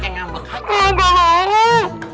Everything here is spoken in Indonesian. nggak usah takut